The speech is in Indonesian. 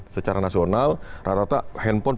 secara nasional rata rata handphone